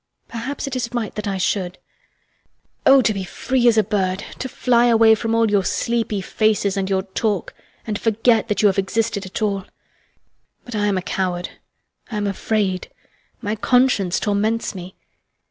Perhaps it is right that I should. Oh, to be free as a bird, to fly away from all your sleepy faces and your talk and forget that you have existed at all! But I am a coward, I am afraid; my conscience torments me.